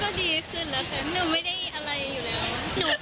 ก็ดีขึ้นแล้วค่ะหนูไม่ได้อะไรอยู่แล้ว